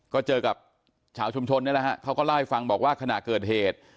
ก็เจอกับชาวชุมชนนี่แหละฮะเขาก็เล่าให้ฟังบอกว่าขณะเกิดเหตุ